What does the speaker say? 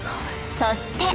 そして。